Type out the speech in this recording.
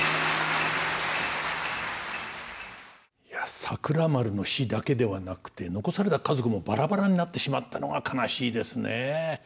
いや桜丸の死だけではなくて残された家族もばらばらになってしまったのが悲しいですね。